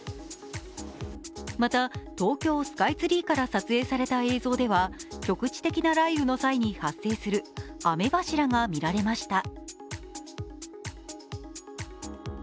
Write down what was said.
またトウキョウスカイツリーから撮影された映像では局地的な雷雨の際に発生する雨柱が見られました。